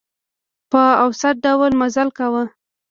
په اوسط ډول مزل کاوه.